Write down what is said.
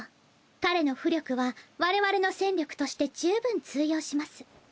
彼の巫力は我々の戦力として十分通用します。